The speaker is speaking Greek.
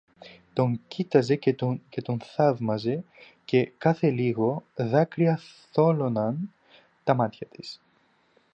Τον κοίταζε και τον θαύμαζε, και, κάθε λίγο, δάκρυα θόλωναν τα μάτια της.